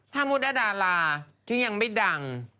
ธาบุตรอดาราที่ยังไม่ดัง